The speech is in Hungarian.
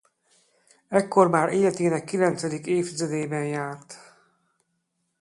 Ekkor már életének kilencedik évtizedében járt.